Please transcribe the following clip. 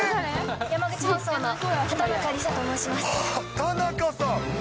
山口放送の畑中里咲と申しま畑中さん。